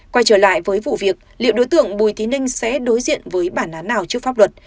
quay trở lại với vụ việc liệu đối tượng bùi thị ninh sẽ đối diện với bản án nào trước pháp luật